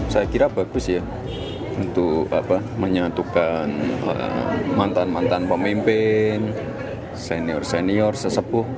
saya kira bagus ya untuk menyatukan mantan mantan pemimpin senior senior sesepuh